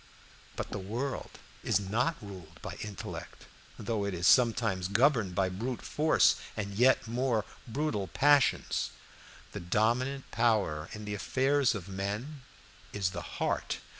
But the world is not ruled by intellect, though it is sometimes governed by brute force and yet more brutal passions. The dominant power in the affairs of men is the heart.